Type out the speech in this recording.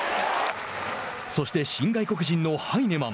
そして新外国人のハイネマン。